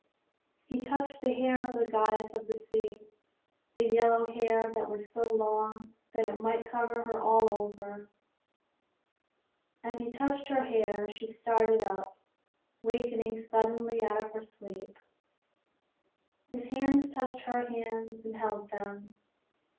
He touched the hair of the goddess of the sea, the yellow hair that was so long that it might cover her all over. As he touched her hair she started up, wakening suddenly out of her sleep. His hands touched her hands and held them.